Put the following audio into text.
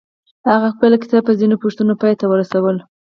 هغه خپله کيسه په ځينو پوښتنو پای ته ورسوله.